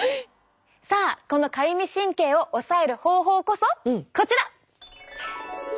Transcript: さあこのかゆみ神経を抑える方法こそこちら保湿剤！